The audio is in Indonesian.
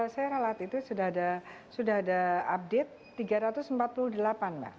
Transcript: saya ralat itu sudah ada update tiga ratus empat puluh delapan mbak